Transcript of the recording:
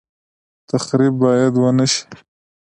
تخریب باید ونشي